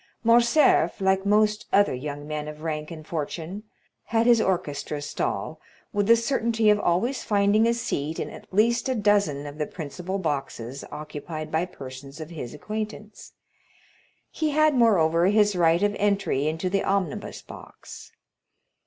Morcerf, like most other young men of rank and fortune, had his orchestra stall, with the certainty of always finding a seat in at least a dozen of the principal boxes occupied by persons of his acquaintance; he had, moreover, his right of entry into the omnibus box.